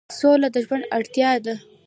سوله د ژوند اړتیا ده.